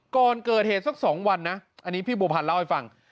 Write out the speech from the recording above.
ก่อนเกิดเหตุสัก๒วันนะอันนี้พี่บัวพันธ์เล่าให้ฟัง